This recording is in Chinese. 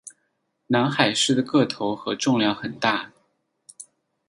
南海狮的个头和重量很大。